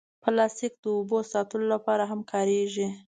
پلاستيک د اوبو ساتلو لپاره هم کارېږي.